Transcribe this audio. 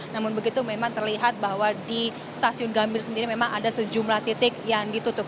namun begitu memang terlihat bahwa di stasiun gambir sendiri memang ada sejumlah titik yang ditutup